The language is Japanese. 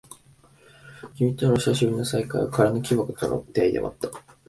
君との久しぶりの再会は、空の木箱との出会いでもあった。